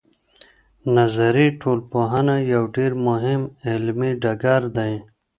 نظري ټولنپوهنه یو ډېر مهم علمي ډګر دی.